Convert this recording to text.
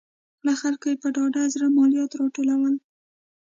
له خلکو یې په ډاډه زړه مالیات راټولول.